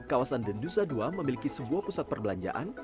kawasan dendusa ii memiliki sebuah pusat perbelanjaan